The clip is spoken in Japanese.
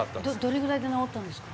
どれぐらいで治ったんですか？